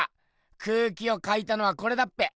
空気を描いたのはこれだっぺ。